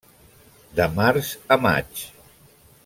De març a maig.